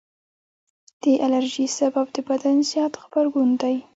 د الرجي سبب د بدن زیات غبرګون دی.